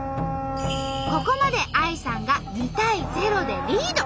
ここまでＡＩさんが２対０でリード！